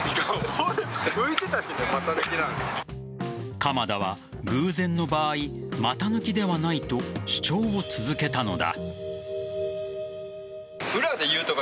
鎌田は偶然の場合股抜きではないと主張を続けたのだ。